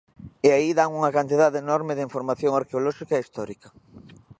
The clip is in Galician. E aí dan unha cantidade enorme de información arqueolóxica e histórica.